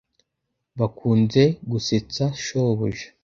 Bakunze gusetsa shobuja.